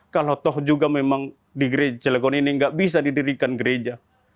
kalau toh juga memang di gereja cilegon ini nggak bisa didirikan gereja